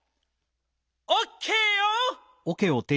オッケーよ！